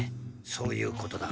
そういうことだ。